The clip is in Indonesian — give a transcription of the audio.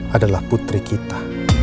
adalah putri kita